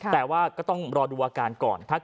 แต่ว่าก็ต้องรอดูอาการก่อน